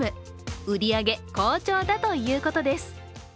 売り上げ好調だということです。